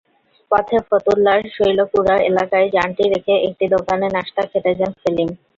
পথে ফতুল্লার শৈলকুড়া এলাকায় যানটি রেখে একটি দোকানে নাশতা খেতে যান সেলিম।